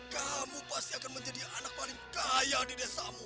kamu pasti akan menjadi anak paling kaya di desamu